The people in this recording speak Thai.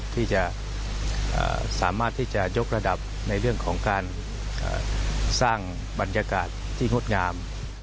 ที่สามารถยกระดับในเรื่องสร้างบรรยากาศที่น่วดงาม